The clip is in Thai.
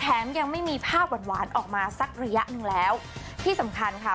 ยังไม่มีภาพหวานหวานออกมาสักระยะหนึ่งแล้วที่สำคัญค่ะ